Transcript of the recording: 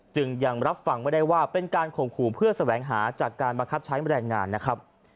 จึงยังรับฟังไม่ได้ว่าเป็นการข่มขู่เพื่อแสวงหาจากการบังคับใช้แรงงานนะครับ